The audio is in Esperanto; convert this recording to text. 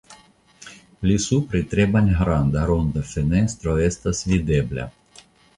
Pli supre tre malgranda ronda fenestro estas videbla.